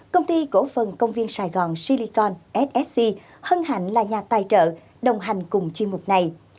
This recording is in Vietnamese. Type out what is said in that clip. công ty cổ phần công viên sài gòn silicon ssc hân hạnh là nhà tài trợ đồng hành cùng chuyên mục này